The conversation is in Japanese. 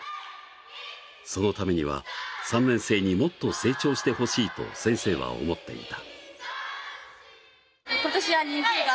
そのためには３年生にもっと成長してほしいと先生は思っていた。